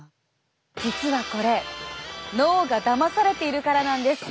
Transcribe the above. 実はこれ脳がだまされているからなんです！